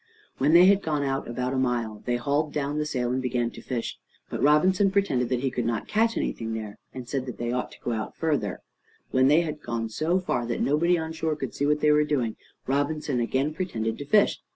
When they had gone out about a mile, they hauled down the sail and began to fish. But Robinson pretended that he could not catch anything there, and he said that they ought to go further out. When they had gone so far that nobody on shore could see what they were doing, Robinson again pretended to fish.